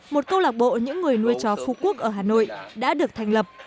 một câu lạc bộ những người nuôi chó phú quốc ở hà nội đã được thành lập